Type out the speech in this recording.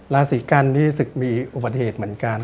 ราศีกันนี่ศึกมีอุบัติเหตุเหมือนกัน